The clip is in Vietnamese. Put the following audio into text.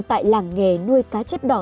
tại làng nghề nuôi cá chép đỏ